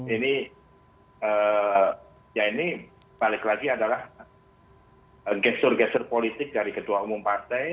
ini ya ini balik lagi adalah gestur gestur politik dari ketua umum partai